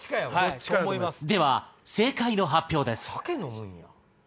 では正解の発表です。